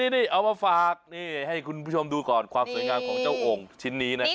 นี่เอามาฝากนี่ให้คุณผู้ชมดูก่อนความสวยงามของเจ้าโอ่งชิ้นนี้นะครับ